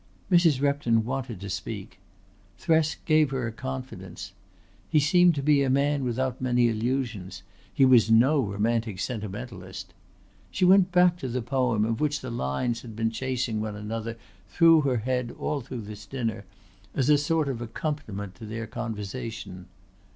Mrs. Repton wanted to speak. Thresk gave her confidence. He seemed to be a man without many illusions, he was no romantic sentimentalist. She went back to the poem of which the lines had been chasing one another through her head all through this dinner, as a sort of accompaniment to their conversation.